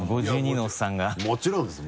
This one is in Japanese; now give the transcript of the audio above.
５２のおっさんがもちろんです